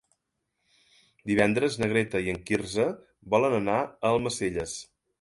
Divendres na Greta i en Quirze volen anar a Almacelles.